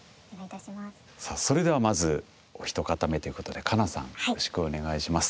さあそれではまずお一方目ということでカナさんよろしくお願いします。